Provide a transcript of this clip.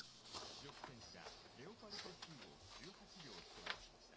主力戦車、レオパルト２を１８両引き渡しました。